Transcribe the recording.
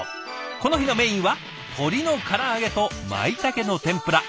この日のメインは鶏のから揚げとマイタケの天ぷら。